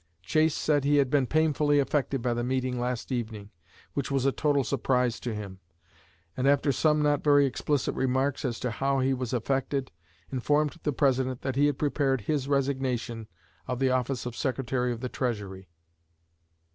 Chase said he had been painfully affected by the meeting last evening, which was a total surprise to him; and, after some not very explicit remarks as to how he was affected, informed the President he had prepared his resignation of the office of Secretary of the Treasury.